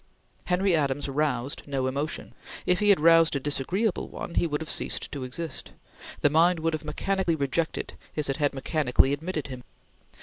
Henry Adams roused no emotion; if he had roused a disagreeable one, he would have ceased to exist. The mind would have mechanically rejected, as it had mechanically admitted him.